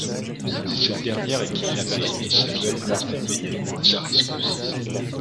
Mais cette dernière est kidnappée et Samuel part immédiatement à sa rescousse.